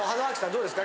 どうですか？